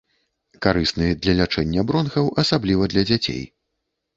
Карысны для лячэння бронхаў, асабліва для дзяцей.